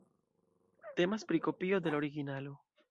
Temas pri kopio de la originalo.